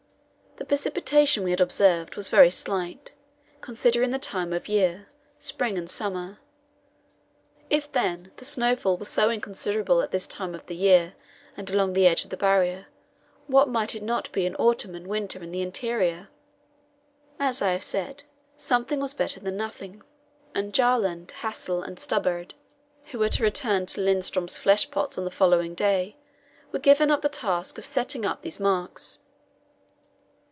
The precipitation we had observed was very slight, considering the time of year spring and summer. If, then, the snowfall was so inconsiderable at this time of the year and along the edge of the Barrier, what might it not be in autumn and winter in the interior? As I have said, something was better than nothing, and Bjaaland, Hassel, and Stubberud, who were to return to Lindström's flesh pots on the following day, were given the task of setting up these marks.